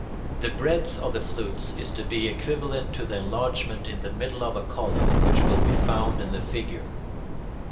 The breadth of the flutes is to be equivalent to the enlargement in the middle of a column, which will be found in the figure.